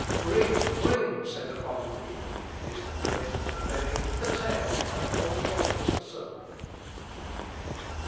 "Bring! Bring!" said the common people, "is the head, the belly, the tail, and the whole body of the sermon."